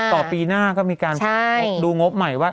ต่อปีนาศภ์ก็มีการดูงบใหม่ว่า